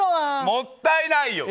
もったいないよ！